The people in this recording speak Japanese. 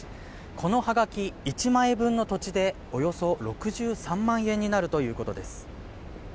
このはがき１枚分の土地でおよそ６３万円になるということです。